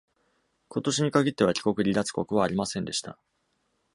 今年に限っては、帰国・離脱国はありませんでした。